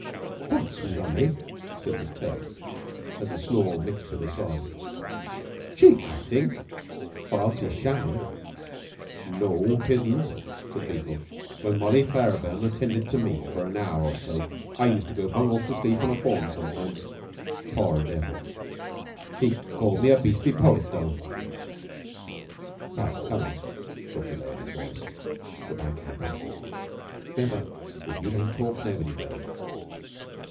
"That's rummy," said McTurk, as a snore mixed with a sob. "'Cheek, I think; or else he's shammin'." "No, 'tisn't," said Beetle. "'When 'Molly' Fairburn had attended to me for an hour or so I used to go bung off to sleep on a form sometimes. Poor devil! But he called me a beastly poet, though." "Well, come on." Stalky lowered his voice. "Good by, Campbell. 'Member, if you don't talk, nobody will."